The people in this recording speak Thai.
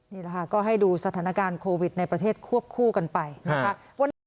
นี่แหละค่ะก็ให้ดูสถานการณ์โควิดในประเทศควบคู่กันไปนะคะ